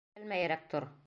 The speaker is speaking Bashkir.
Белмәйерәк тор!